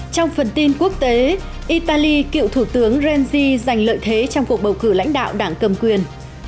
trong phần tin quốc tế italy cựu thủ tướng renzy giành lợi thế trong cuộc bầu cử lãnh đạo đảng cầm quyền